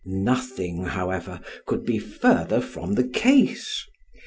Nothing, however, could be further from the case.